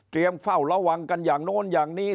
เฝ้าระวังกันอย่างโน้นอย่างนี้